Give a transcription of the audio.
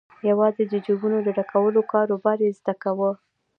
یوازې د جیبونو د ډکولو کاروبار یې زده وو.